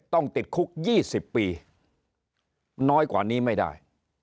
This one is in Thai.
ต้องติดคุก๒๐ปีน้อยกว่านี้ไม่ได้